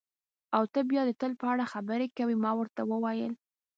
او ته بیا د تل په اړه خبرې کوې، ما ورته وویل.